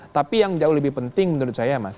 tapi yang jauh lebih penting menurut saya mas